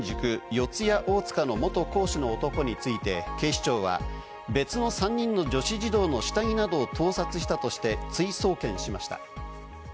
・四谷大塚の元講師の男について、警視庁は別の３人の女子児童の下着などを盗撮したとして、追送検しました。